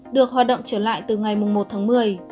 được hoạt động trở lại từ ngày một tháng một mươi